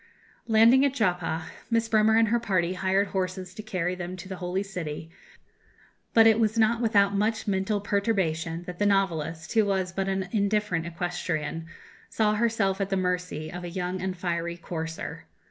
Landing at Joppa, Miss Bremer and her party hired horses to carry them to the Holy City; but it was not without much mental perturbation that the novelist, who was but an indifferent equestrian, saw herself at the mercy of a young and fiery courser.